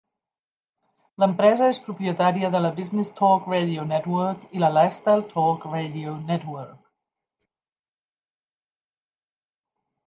L'empresa és propietària de la Business Talk Radio Network i la Lifestyle Talk Radio Network.